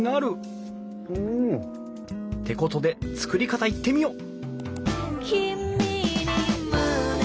うん！ってことで作り方いってみよう！